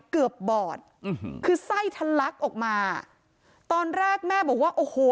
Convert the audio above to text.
บอดคือไส้ทะลักออกมาตอนแรกแม่บอกว่าโอ้โห